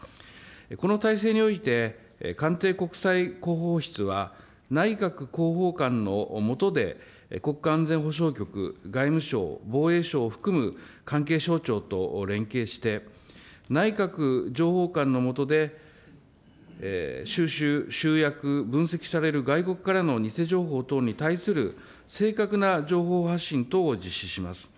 この体制において、官邸国際広報室は内閣広報官の下で、国家安全保障局、外務省、防衛省を含む関係省庁と連携して、内閣情報かんのもとで収集、集約、分析される外国からの偽情報等に対する正確な情報発信等を実施します。